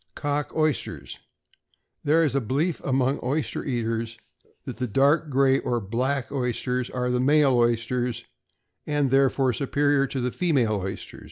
=Cock Oysters.= There is a belief among oyster eaters, that the dark gray or black oysters are male oysters, and are therefore superior to the female oyster.